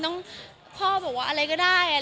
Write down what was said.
จริงก็พ่อบอกว่าอะไรก็ด้า